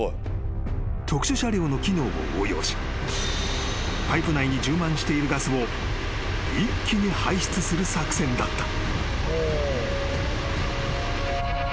［特殊車両の機能を応用しパイプ内に充満しているガスを一気に排出する作戦だった］